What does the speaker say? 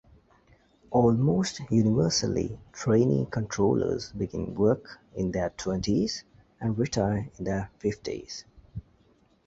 Almost universally, trainee controllers begin work in their twenties and retire in their fifties.